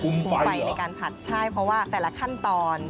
คุมไฟในการผัดใช่เพราะว่าแต่ละขั้นตอน